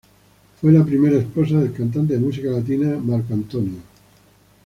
Fue la primera esposa del cantante de música latina, Marc Anthony.